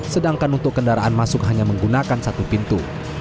sedangkan untuk kendaraan masuk hanya menggunakan satu pintu